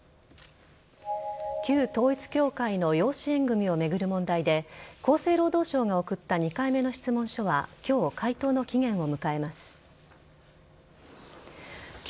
旧統一教会の養子縁組を巡る問題で、厚生労働省が送った２回目の質問書は、きょう回答の期限を迎えます。